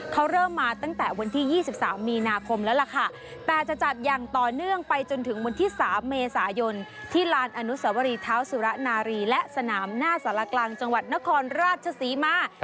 เขาเริ่มมาตั้งแต่วันที่๒๓มีนาคมแล้วล่ะค่ะแต่จะจัดอย่างต่อเนื่องไปจนถึงวันที่๓เมษายนที่ลานอนุสวรีเท้าสุระนารีและสนามหน้าสารกลางจังหวัดนครราชศรีมา